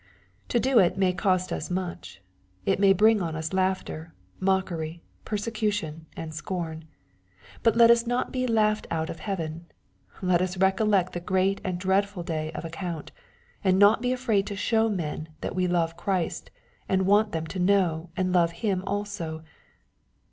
To do it may cost us much. It may bring on us laughter, mockery, persecution, and scorn. But let us not be laughed out of heaven. Let us recollect the great and dreadful day of account, and not be afraid to show men that we love Christ, and want them to know and love Him also.